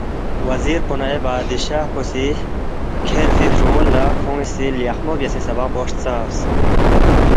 وزیر پو نہ اے بادشاہ پو سی کھیرفی فرُونگ لہ کھون٘ی سی لیخمو بیاسے سبق کُن ہلژبس